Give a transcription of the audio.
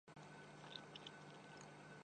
Karachi eat festival میں اپ کو کیا کھانا چاہیے